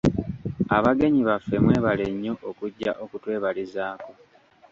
Abagenyi baffe, mwebale nnyo okujja okutwebalizaako.